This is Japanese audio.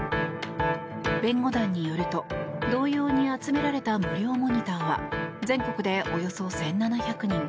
弁護団によると同様に集められた無料モニターは全国で、およそ１７００人。